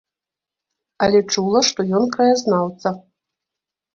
Але чула, што ён краязнаўца.